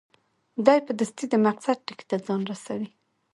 دی په دستي د مقصد ټکي ته ځان رسوي.